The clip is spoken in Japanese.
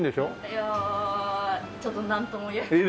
いやちょっとなんとも言えない。